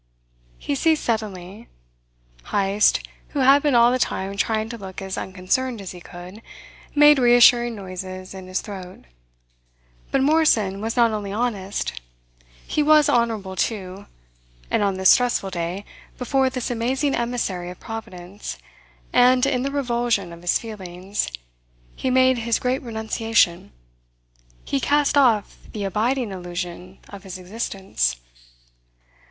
He ceased suddenly. Heyst, who had been all the time trying to look as unconcerned as he could, made reassuring noises in his throat. But Morrison was not only honest. He was honourable, too; and on this stressful day, before this amazing emissary of Providence and in the revulsion of his feelings, he made his great renunciation. He cast off the abiding illusion of his existence.